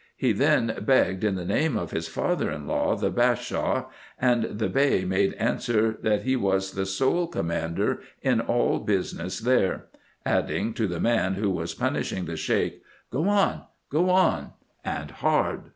He then begged in the name of his father in law, the Bashaw ; and the Bey made answer, that he was the sole com mander in all business there ; adding, to the man who was punish ing the Sheik, " Go on, go on, and hard."